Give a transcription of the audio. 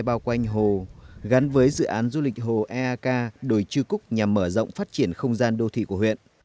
bao quanh hồ gắn với dự án du lịch hồ eak đồi chư cúc nhằm mở rộng phát triển không gian đô thị của huyện